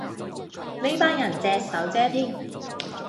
呢班人隻手遮天